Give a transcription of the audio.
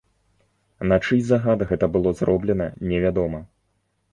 На чый загад гэта было зроблена, невядома.